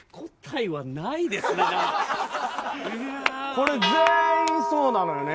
これ全員そうなのよね。